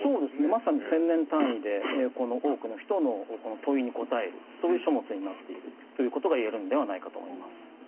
まさに１，０００年単位でこの多くの人の問いに答えるそういう書物になっているということが言えるんではないかと思います。